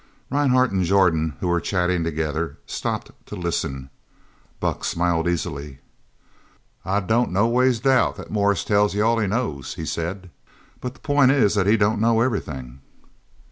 Rhinehart and Jordan, who were chatting together, stopped to listen. Buck smiled easily. "I don't no ways doubt that Morris tells you all he knows," he said, "but the pint is that he don't know everything."